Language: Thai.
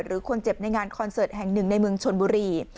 หรือคนเจ็บในงานคอนเสิร์ตแห่งหนึ่งในเมืองชนบุรี